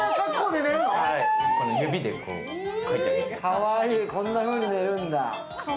かわいい、こんなふうに寝るんだ。